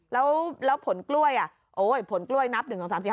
แล้วผลกล้วยผลกล้วยนับ๑๒๓๔๕